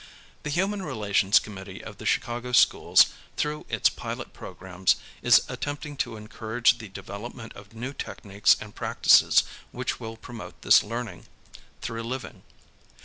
The Human Relations Committee of the Chicago schools, through its pilot programs, is attempting to encourage the development of new techniques and practices which will promote this learning through living.